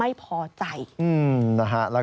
ขอบคุณครับ